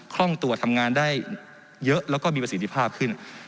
ร่องตัวทำงานได้เยอะแล้วก็มีประสิทธิภาพขึ้น